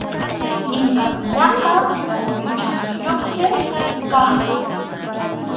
Inkakunaqa quri champiyuqsi kaqku.